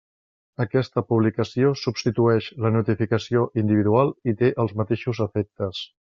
Aquesta publicació substitueix la notificació individual i té els mateixos efectes.